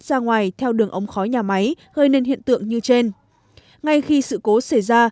ra ngoài theo đường ống khói nhà máy gây nên hiện tượng như trên ngay khi sự cố xảy ra